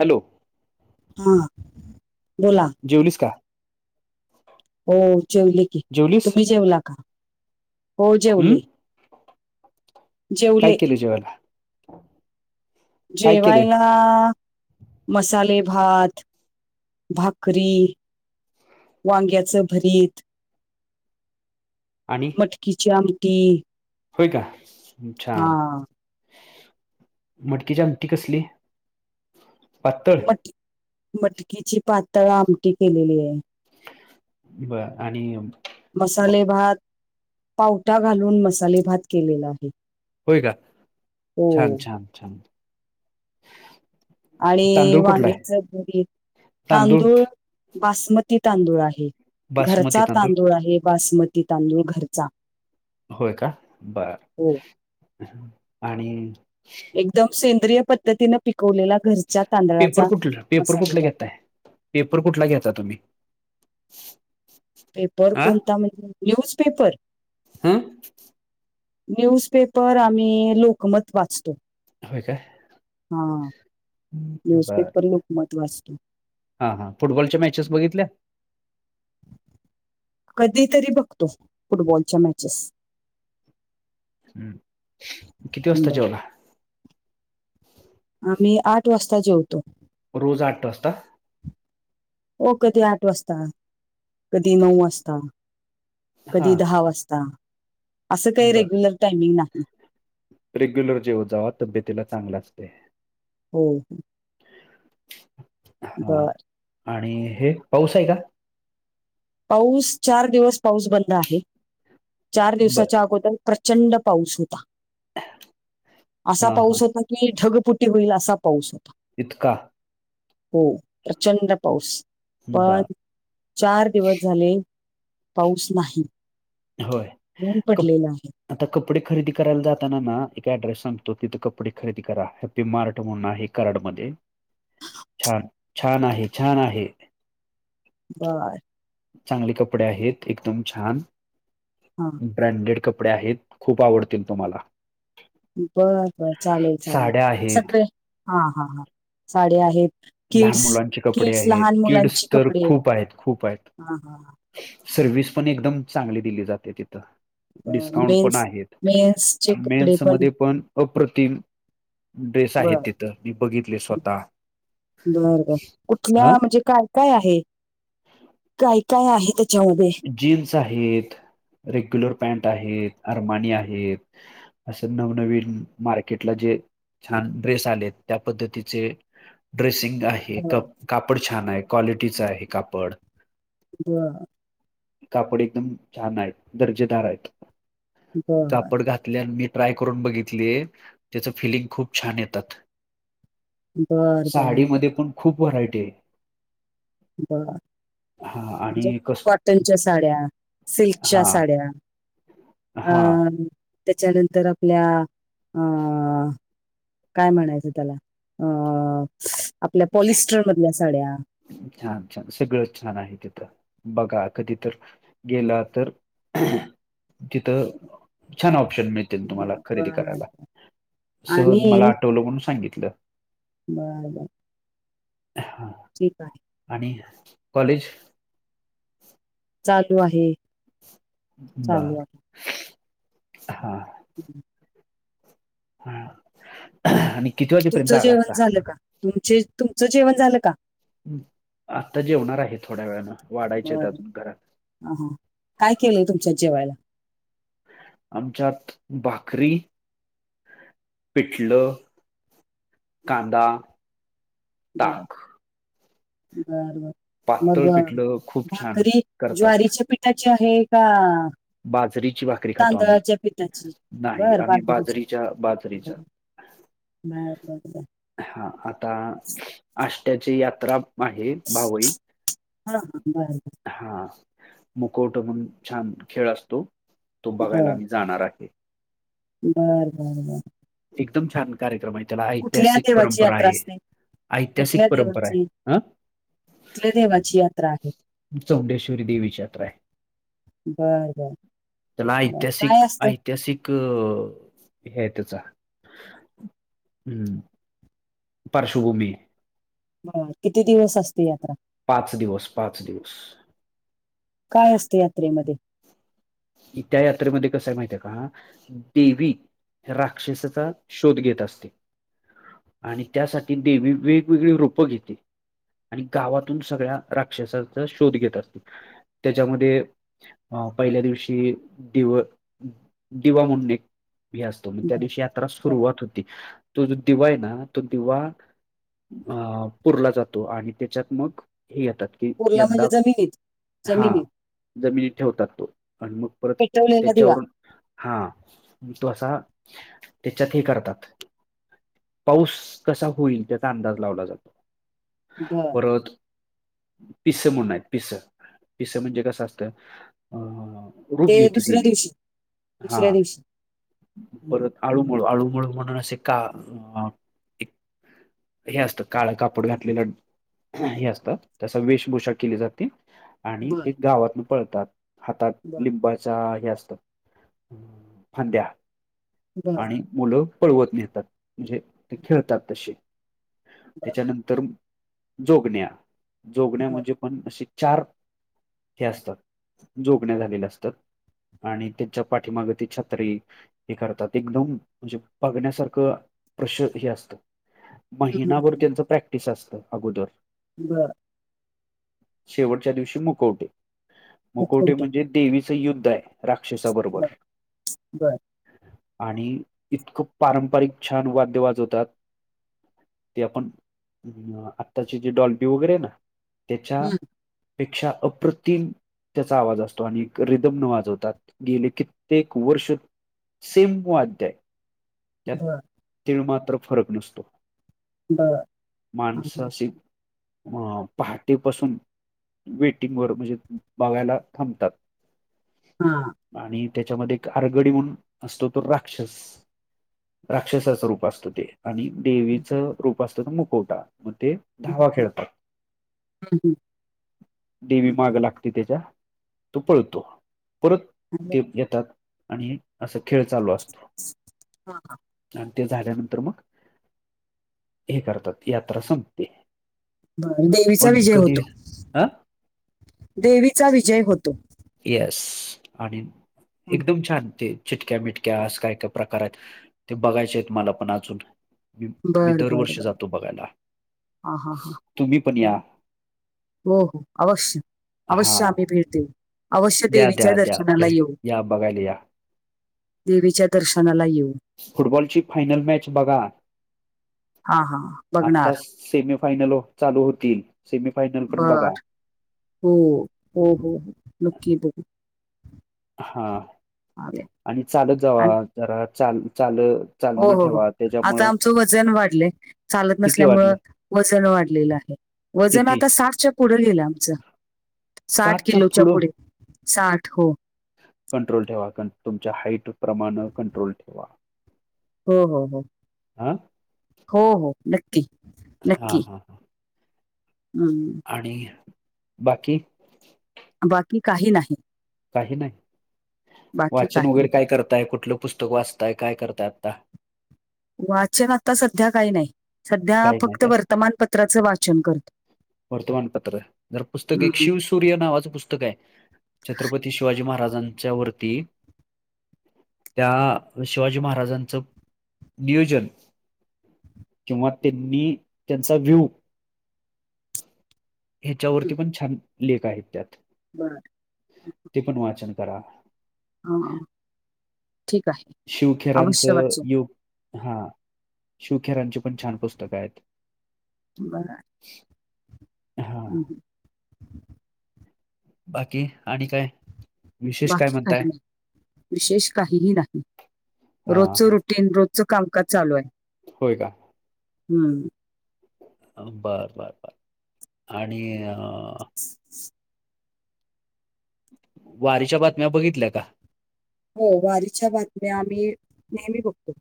Hello! महा बोला जेवलीस का? हो जेवले की जेवलीस तुम्ही जेवला का? हो हम्म जेवले काय जेवले केलं जेवायला? काय केलंय जेवायला आ ह मसाले भात, भाकरी वांग्याचं भरीत आणि? मटकीची आमटी होय का हा छान मटकीची आमटी कसली? पातळ मट मटकीची पातळ आमटी केलेलीय बरं आणि वा- मसाले भात पावटा घालून मसाले भात केलेला आहे. होय का छान! हो छान! छान आणि तांदूळ कुठला आहे वांग्याचं भरीत तांदूळ बासमती तांदूळ आहे. घरचा तांदूळ आहे बासमती तांदूळ घरचा होय का हो बरं आणि? एकदम सेंद्रिय पद्धतीने पिकवलेला घरच्या पेपर तांदळाचा कुठला पेपर मसाले कुठला भात घेताय पेपर कुठला घ्यायता तुम्ही पेपर कोणता म्हणजे न्यूजपेपर हम न्यूजपेपर आम्ही लोकमत वाचतो होय काय हा बर न्यूजपेपर लोकमत वाचतो हा हा फुटबॉलच्या मॅचेस बघितल्या कधी तरी बघतो फुटबॉलच्या मॅचेस हम्म किती वाजता बर जेवला आम्ही आठ वाजता जेवतो रोज आठ वाजता हो कधी आठ वाजता कधी नऊ वाजता हा कधी दहा वाजता अस काही बर रेग्युलर टायमिंग नाही रेग्युलर जेव जाव तब्येतीला चांगलं असते हो हो हा बर आणि हे पाऊस आहे का पाऊस चार दिवस पाऊस बंद आहे चार बर दिवसाच्या अगोदर प्रचंड पाऊस होता असा हा हा पाऊस होता कि ढगपुटी होईल असा पाऊस होता इतका हो प्रचंड पाऊस पण बर चार दिवस झा पाऊस नाही होय ऊन पडलेलं आहे. आता कपडे खरेदी करायला जाताना ना एका ऍड्रेस सांगतो तिथं कपडे खरेदी करा बी मारठ म्हणून आहे कराड मध्ये छान छान आहे छान आहे बर चांगले कपडे आहेत एकदम छान हा ब्रँडेड कपडे आहेत खूप आवडतील तुम्हाला बर बर चालेल चालेल साड्या आहेत सगळे हा हा हा साडे आहेत लहान किड्स मुलांचे कपडे किड्स आहेत लहान मुलांची किड्स तर कपडे. खूप आहेत खूप आहेत हां, हां, हां. सर्विस पण एकदम चांगली दिली जाते तिथं बरं. डिस्काउंट पण मेन्स आहेत मेन्सचे कपडे मेन्स मध्ये पण अप्रतिम ड्रेस आहे बरं, तिथं मी बघितले स्वतः बर बर कुठल्या अ म्हणजे काय काय आहे काय काय आहे त्याच्यामध्ये जीन्स आहेत रेग्युलर पॅन्ट आहेत अरमानी आहेत असं नवनवीन मार्केटला जे छान ड्रेस आले त्या पद्धतीचे ड्रेसिंग आहे बरं, कापड छान आहे क्वालिटीच आहे कापड ब कापड एकदम छान आहे दर्जेदार आहेत बरं. कापड घातल्यान मी ट्राय करून बघितलीय त्याच फिलिंग खूप छान येतात बरं, बरं, बरं. साडीमध्ये पण खूप व्हरायटी आहे बर हा म्हणजे आणि कस कट साड्या सिल्कच्या हा साड्या अ हा त्याच्यानंतर आपल्या अ काय म्हणायचं त्याला अ आपल्या पॉलिस्टरमधल्या साड्या छान छान सगळं छान आहे तिथं बघा कधी तर गेला तर तिथं छान ऑप्शन मिळत तुम्हाला बर खरेदी करायला सहज मला आणि आठवलं म्हणून सांगितलं बर बर हा ठीक आहे आणि कॉलेज चालू आहे चालू बर आहे. हा हम् हम् आणि किती [unintelligible] तुमचं जेवण असता झालं का? तुम तुमचं जेवण झालं का? हमं आता जेवणार आहे थोड्या वेळानं वाढायचे आहेत अजून घरात ह ह काय केलंय तुमच्या जेवायला? आमच्यात भाकरी पिठलं, कांदा नाय ताक बर बर पातळ मग पिठलं खूप छान भाकरी करतात ज्वारीच्या पिठ ठाची आहे का? बाजरीची भाकरी खातो आम्ही तांदळाच्या पिठाची नाही बर आम्ही बाजरीची बाजरीच्या बाजरीचा बर बर बर हा आता आष्ट्याची यात्रा माहेर भावई हा हा बर हा मुखवटा म्हणून छान खेळ असतो तो बघायला बर आम्ही जाणार आहे बर बर बर एकदम छान! ! कार्यक्रम आहे त्याला कुठल्या ऐतिहासिक देवाची परंपरा यात्रा आहे, असते ऐतिहासिक कुठल्या परंपरा आहे. देवाची हं कुठल्या देवाची यात्रा आहे [inaudible] चौंडेश्वरी देवीची यात्रा आहे बर बर त्याला बर ऐतिहासिक, काय असतं ऐतिहासिक हे त्याचा हम् पार्श्वभूमी बर किती दिवस असते यात्रा? पाच दिवस, पाच दिवस काय असते यात्रेमध्ये? त्या यात्रेमध्ये कसय माहितय आहे का? देवी राक्षसाचा शोध घेत असते. आणि त्यासाठी देवी वेगवेगळी रूपं घेते. आणि गावातून सगळ्या राक्षसांचा शोध घेत असते. त्याच्यामध्ये अ पहिल्या दिवशी दिव दिवा म्हणून एक भी असतो म्हण त्या बर दिवशी यात्रा बर सुरुवात होती तो जो दिवा आहे ना तो दिवा अ पुरला जातो आणि त्याच्यात मग हे येतात कि कुर्ला यंदा म्हणजे जमिनीत हा जमिनीत जमिनीत ठेवतात तो आणि मग परत पेटवलेला दिवा त्याच्यावरून हा तो असा त्याच्यात हे करतात पाऊस कसा होईल त्याचा अंदाज लावला जातो बर परत, पिसं म्हणून आहेत पिसं पिसं म्हणजे कसं असतं? अ रुप ते घेती दुसऱ्या देवी दिवशी हा दुसऱ्या दिवशी परत आळूमुळ आळूमुळ म्हणून असे एक हे असतं काळं कापड घातलेलं हे असतात त्याचा वेशभूषा केली जाते. आणि बर ते गावातून पळतात हातात बर लिंब हे असत फांद्या बर आणि मुलं पळवत नेतात म्हणजे ते खेळतात तसे. बर त्याच्यानंतर जोगण्या जोगण्या बर म्हणजे पण असे चार हे असतात जोगण्या झालेल्या. आणि त्यांच्या पाठीमागे त छात्री. हे करतात एकदम म्हणजे बघण्यासारखं प्रश हे असत. हम्म, हम्म, महिनाभर त्यांच प्रॅक्टिस असतं अगोदर बरं शेवटच्या दिवशी मुकवटे मुकवटे उखवटे म्हणजे देवी. ं युद्ध आहे राक्षसाबरोबर बर बर आणि इतकं पारंपरिक छान वाद्यवाज वतात. ते आपण आत्ताची जे डॉल्टी वगैरे ना त्याच्या हम्म, पेक्षा अप्रतिम त्याचा आवाज असतो आणि रिदम न वाजवतात गेले कित्येक वर्ष सेम वाद्य आहे. त्यात बर तिळ मात्र फरक नसतो. बरं. हां, हां. माणसा सिंग अ पहाटेपासून वेटिंग वर म्हणजे बघायला थांबतात. हा आणि त्याच्यामध्ये एक आरगडी म्हणून असतो तो राक्षस राक्षसाचं रूप असतं ते आणि देवीचं रूप असतं तर मुकोटा मग ते धावा खेळतात हं, हं. वी माग बरं. लागते त्याच्या तो पळतो परत आणि ते येतात आणि असं खेळ चालू असतो. हां, हां. आणि ते झाल्यानंतर मग हे करतात यात्रा संपते. बर देवीचा पण विजय कधी होतो अ देवीचा विजय होतो. येस आणि हं. एकदम छान ते चिटक्या मििटक्या असं काय काय प्रकार आहेत ते बघायचे आहेत मला पण अजून मी बरं, बरं, दरवर्षी बरं. जातो बघायला हां, हां, तुम्ही पण या ओ हो अवश्य हा अवश्या आमी भेट देऊ. अवश्य द्या देवीच्या द्या द्या दर्शनाला भे येऊ या बघायला या देवीच्या दर्शनाला येऊ. फुटबॉलची फायनल मॅच बघा. हा ह हा आत्ता सेमीफायनल चालू होतील सेमीफायनल पण बघा. बरं. हो हो हो हो नक्की बघू. हा चालेल. आणि चाल जव आणि जरा चाल चाल. हो चालणं हो हो ठेवा आता त्याच्यामुळं आमचं वजन वाढलंय चालत किती वाटले नसल्यामुळं वजन वाढलेलं आहे. वजन किती आता साठच्या पुढे लिलं आमचं साठ साठच्या किलोच्या पुढं पुढे साठ हो कंट्रोल ठेवा तुमच्या हाट प्रमाण कंट्रोल ठेवा. हो हो हो हं हो हो नक्की हा नक्की हा हा. हम्म आणि बाकी बाकी काही नाही. काही नाही बाकी वाचन काही नाही. वगैरे काय करताय कुठलं पुस्तक वाचतय काय करताय आता वाचन आता सध्या काही नाही सध्या काही नाही फक्त काय वर्तमानपत्राचं वाचन करतो. वर्तमान पत्र जर पुस्तक हं, एक शिवस सूर्य नावाचं पुस्तक आहे छत्रपती शिवाजी महाराजांच्या वरती त्या शिवाजी महाराजांचं नियोजन किंवा त्यांनी त्यांचा व्ह्यू. हं. ह्याच्यावरती पण छान लेख आहेत त्यात. बरं. ते पण वाचन करा. हां ठीक आहे. अवश्य शिवखेरांचं वाचेन. योग हा शिवखेरांची पण छान पुस्तकं आहेत. बरं हा हम्म हम. बाकी आणि काय? विशेष काय बाकी म्हणताय काही नाही विशेष काहीही नाही हा रोजच रुटीन रोज चो कामकाज चालू आहे. होय का? हम्म. बर बर बर आणि अ [inaudible] वारीच्या बातम्या बघितल्या का? हो वारीच्या बातम्या आम्ही नेहमी बघतो.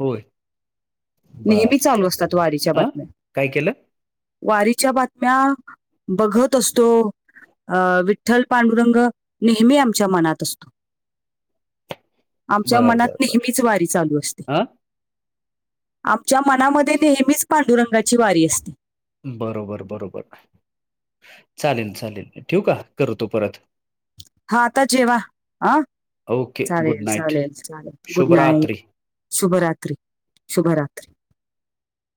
होय - नेहमी चालू असतात वारीच्या अ बातम्या. काय केलं वारीच्या बातम्या बघत असतो. अ विठ्ठल पांडुरंग नेहमी आमच्या मनात असतो. [inaudible] आमच्या बर मनात बर बर नेहमीच वारी चालू असते. अ आमच्या मनामध्ये नेहमीच पांडुरंगाची वारी असते. बरोबर बरोबर चालेल चालेल ठेऊ का करतो परत. हा आता जेवा ह ओके गुड चालेल नाईट चालेल चालेल गुड शुभरात्री नाईट. शुभरात्री शुभरात्री.